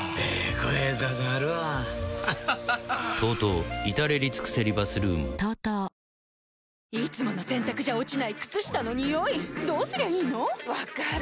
声出さはるわＴＯＴＯいたれりつくせりバスルームいつもの洗たくじゃ落ちない靴下のニオイどうすりゃいいの⁉分かる。